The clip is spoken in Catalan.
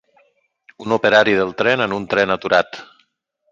Un operari del tren en un tren aturat.